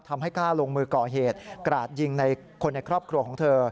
กล้าลงมือก่อเหตุกราดยิงในคนในครอบครัวของเธอ